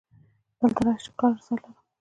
دلته ته راشه چې کار درسره لرم